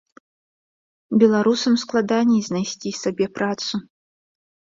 Беларусам складаней знайсці сабе працу.